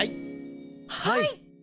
はい！